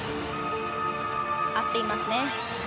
合っていますね。